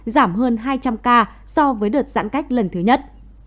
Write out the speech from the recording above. giảm hơn hai trăm linh ca so với đợt giãn cách lần thứ nhất